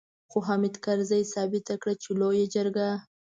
خو حامد کرزي ثابته کړه چې لويه جرګه.